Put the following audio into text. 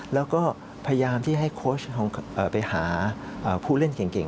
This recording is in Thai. แล้วก็พยายามที่ให้โค้ชไปหาผู้เล่นเก่ง